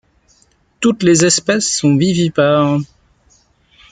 Toutes les espèces sont vivipares.